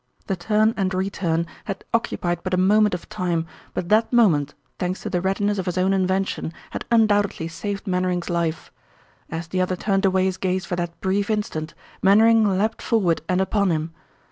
The turn and return had occupied but a moment of time, but that moment, thanks to the readiness of his own invention, had undoubtedly saved Mainwaring's life. As the other turned away his gaze for that brief instant Mainwaring leaped forward and upon him.